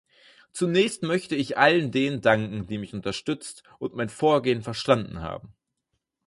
Zunächst möchte ich all denen danken, die mich unterstützt und mein Vorgehen verstanden haben.